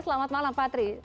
selamat malam patry